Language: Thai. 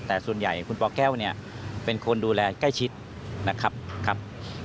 แต่ส่วนใหญ่คุณปแก้วเนี่ยเป็นคนดูแลใกล้ชิดนะครับ